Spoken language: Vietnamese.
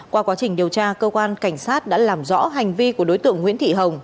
qua quá trình điều tra cơ quan cảnh sát đã làm rõ hành vi của đối tượng nguyễn thị hồng